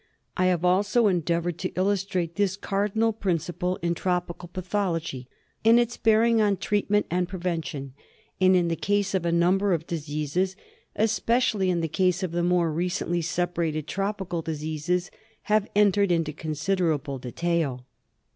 I have also endeavoured to illustrate this cardinal principle in tropical pathology and its bearing on treat ment and prevention, and, in the case of a number of diseases, especially in the case of the more recently separated tropical diseases, have entered into considerable detail.